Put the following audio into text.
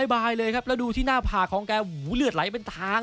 บายเลยครับแล้วดูที่หน้าผากของแกหูเลือดไหลเป็นทาง